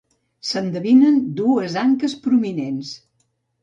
S'endevinen dues anques prominents.